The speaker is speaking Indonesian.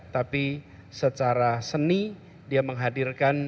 tapi secara seni dia menghadirkan